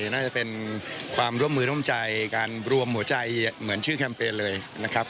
น่าจะเป็นความร่วมมือร่วมใจการรวมหัวใจเหมือนชื่อแคมเปญเลยนะครับ